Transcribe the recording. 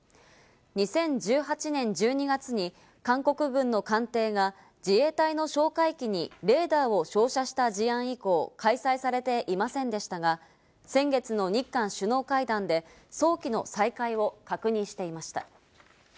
２０１８年１２月に韓国軍の艦艇が自衛隊の哨戒機にレーダーを照射した事案以降、開催されていませんでしたが先月の日韓首脳会談で早期の再開を確認していました。